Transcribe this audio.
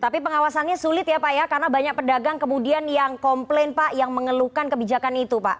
tapi pengawasannya sulit ya pak ya karena banyak pedagang kemudian yang komplain pak yang mengeluhkan kebijakan itu pak